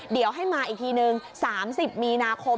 เดี๋ยวให้มาอีกทีนึง๓๐มีนาคม